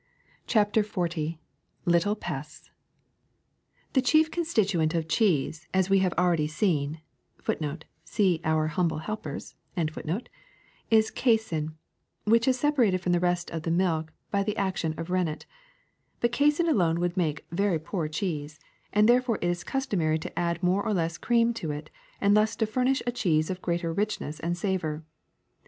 CHAPTER XL LITTLE PESTS a THE chief constituent of cheese, as we have al ready seen/ is casein, which is separated from the rest of the milk by the action of rennet. But casein alone would make very poor cheese, and there fore it is customary to add more or less cream to it and thus furnish a cheese of greater richness and savor.